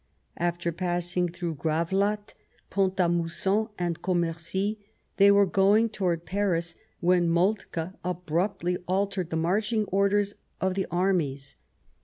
After passing through Gravelotte, Pont a Mousson, and Commercy, they were going towards Paris when Moltke abruptly altered the marching orders of the Armies.